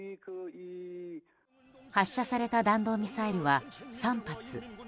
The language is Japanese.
発射された弾道ミサイルは３発。